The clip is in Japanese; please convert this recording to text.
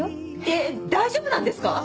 えっ大丈夫なんですか？